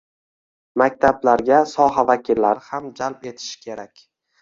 Maktablarga soha vakillari ham jalb etish kerak.